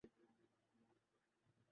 یہ مشہورقصہ ہے۔